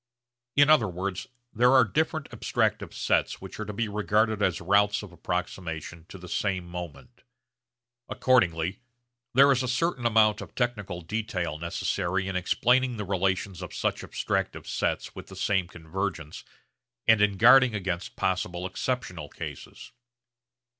In other words there are different abstractive sets which are to be regarded as routes of approximation to the same moment. Accordingly there is a certain amount of technical detail necessary in explaining the relations of such abstractive sets with the same convergence and in guarding against possible exceptional cases.